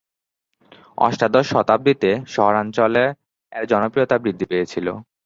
অষ্টাদশ শতাব্দীতে শহরাঞ্চলে এর জনপ্রিয়তা বৃদ্ধি পেয়েছিল।